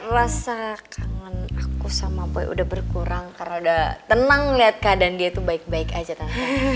rasa kangen aku sama boy udah berkurang karena udah tenang lihat keadaan dia tuh baik baik aja kan